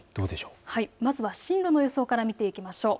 まずは進路の予想から見ていきましょう。